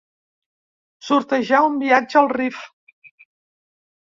Sortejar un viatge al Rif.